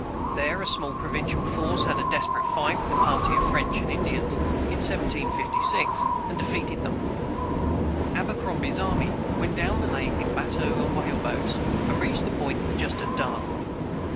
There a small provincial force had a desperate fight with a party of French and Indians, in 1756, and defeated them. Abercrombie's army went down the lake in batteaux and whaleboats, and reached the Point just at dark.